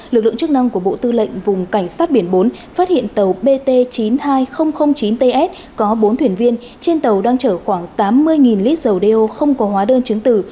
lực lượng chức năng của bộ tư lệnh vùng cảnh sát biển bốn phát hiện tàu bt chín mươi hai nghìn chín ts có bốn thuyền viên trên tàu đang chở khoảng tám mươi lít dầu đeo không có hóa đơn chứng tử